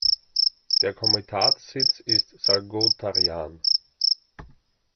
Der Komitatssitz ist Salgótarján.